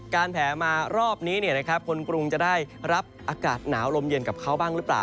แผลมารอบนี้คนกรุงจะได้รับอากาศหนาวลมเย็นกับเขาบ้างหรือเปล่า